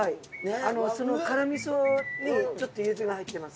その辛味噌にちょっとユズが入ってます。